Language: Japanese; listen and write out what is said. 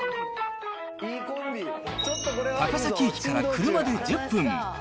高崎駅から車で１０分。